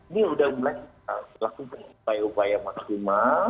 ini sudah mulai berlaku dengan upaya upaya maksimal